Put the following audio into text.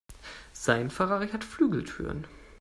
Sein Ferrari hat Flügeltüren.